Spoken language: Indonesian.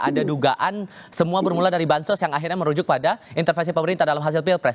ada dugaan semua bermula dari bansos yang akhirnya merujuk pada intervensi pemerintah dalam hasil pilpres